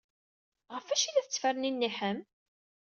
Ɣef wacu ay la tettferniniḥem?